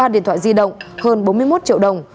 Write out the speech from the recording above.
ba điện thoại di động hơn bốn mươi một triệu đồng